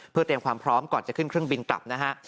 เพื่อเตรียมความพร้อมก่อนจะขึ้นเครื่องบินกลับนะฮะ